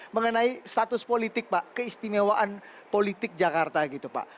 mengenai status politik pak keistimewaan politik jakarta gitu pak